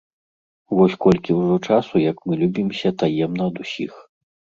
Вось колькі ўжо часу, як мы любімся таемна ад усіх.